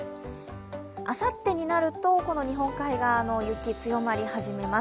あさってになると日本海側の雪強まり始めます。